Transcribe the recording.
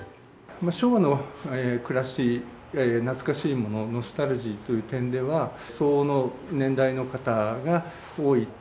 昭和の暮らし、懐かしいもの、ノスタルジーという点では、相応の年代の方が多い。